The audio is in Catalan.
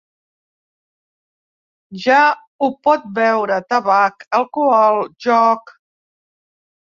Ja ho pot veure: tabac, alcohol, joc...